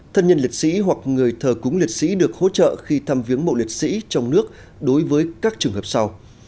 thân nhân liệt sĩ hoặc người thờ cúng liệt sĩ được hỗ trợ khi thăm viếng mộ liệt sĩ trong nước đối với các trường hợp sau